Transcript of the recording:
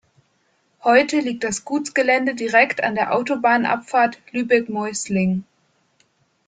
Heute liegt das Gutsgelände direkt an der Autobahnabfahrt Lübeck-Moisling.